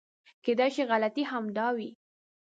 کېدای شي غلطي همدا وي .